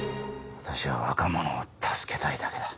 私は若者を助けたいだけだ。